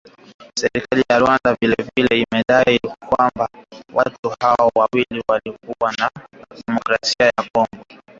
Serikali ya Rwanda vile vile imedai kwamba watu hao wawili walioasilishwa na jeshi la Demokrasia ya Kongo